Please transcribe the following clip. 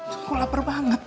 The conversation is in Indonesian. aku lapar banget